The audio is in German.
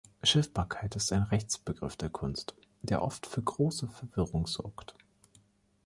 „Schiffbarkeit“ ist ein Rechtsbegriff der Kunst, der oft für große Verwirrung sorgt.